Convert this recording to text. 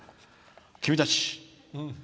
君たち！